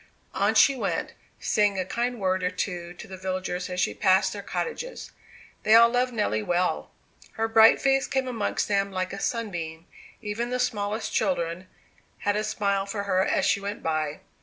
On she went, saying a kind word or two to the villagers as she passed their cottages. They all loved Nelly well. Her bright face came amongst them like a sunbeam; even the smallest children had a smile for her as she went by.